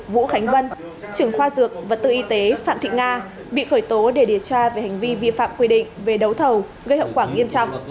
vũ khánh vân trưởng khoa dược vật tư y tế phạm thị nga bị khởi tố để điều tra về hành vi vi phạm quy định về đấu thầu gây hậu quả nghiêm trọng